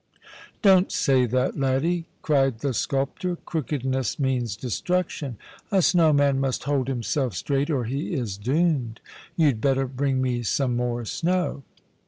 " Don't say that, Laddie," cried the sculptor. " Crooked ness means destruction. A snow man must hold himself straight or he is doomed. You'd better bring me some more snow."